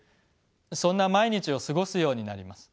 そんな毎日を過ごすようになります。